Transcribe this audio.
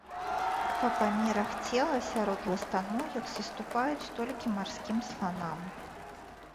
Па памерах цела сярод ластаногіх саступаюць толькі марскім сланам.